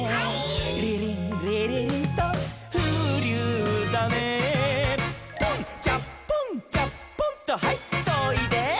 「リリンリリリンとふうりゅうだねポン」「チャッポンチャッポンとはいっといで」